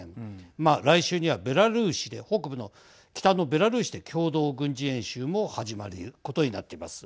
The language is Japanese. まあ、来週にはベラルーシで北部の北のベラルーシで共同軍事演習も始まることになっています。